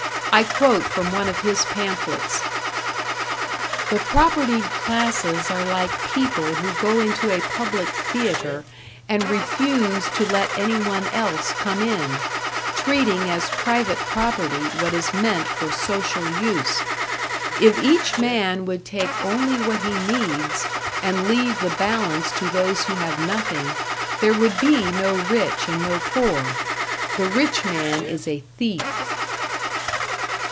I quote from one of his pamphlets: The propertied classes are like people who go into a public theatre and refuse to let anyone else come in, treating as private property what is meant for social use. If each man would take only what he needs, and leave the balance to those who have nothing, there would be no rich and no poor. The rich man is a thief.